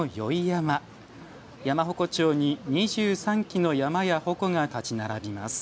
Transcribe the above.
山鉾町に２３基の山や鉾が立ち並びます。